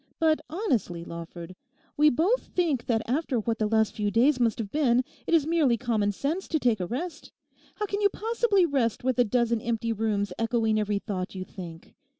But honestly, Lawford, we both think that after what the last few days must have been, it is merely common sense to take a rest. How can you possibly rest with a dozen empty rooms echoing every thought you think?